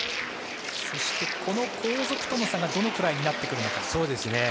そして、この後続との差がどのくらいになってくるのか。